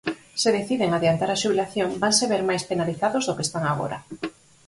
Se deciden adiantar a xubilación vanse ver máis penalizados do que están agora.